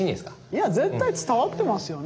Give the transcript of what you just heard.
いや絶対伝わってますよね。